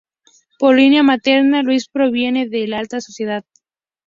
Por línea materna, Luis proviene de la alta sociedad.